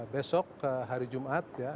besok hari jumat ya